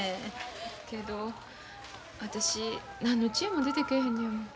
けど私何の知恵も出てけえへんのやもん。